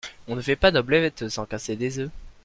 On ne fait pas d'omelette sans casser des œufs.